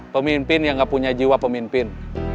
pemimpin yang gak punya jiwa pemimpin